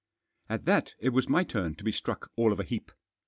At that it was my turn to be struck all of a heap.